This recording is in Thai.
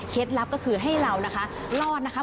ลับก็คือให้เรานะคะรอดนะคะ